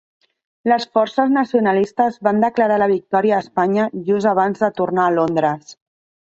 Les forces nacionalistes van declarar la victòria a Espanya just abans de tornar a Londres.